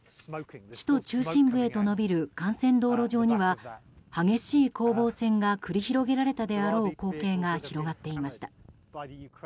首都中心部へと延びる幹線道路上には激しい攻防戦が繰り広げられたであろう光景が広がっていました。